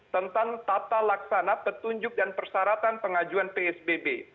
tentang tata laksana petunjuk dan persyaratan pengajuan psbb